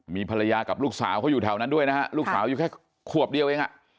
มีภรรยากับลูกสาวเขาอยู่แถวนั้นด้วยนะฮะลูกสาวอยู่แค่ขวบเดียวเองอ่ะ